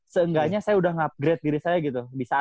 seenggaknya saya udah nge upgrade diri saya gitu